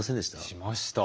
しました。